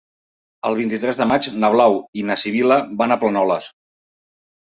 El vint-i-tres de maig na Blau i na Sibil·la van a Planoles.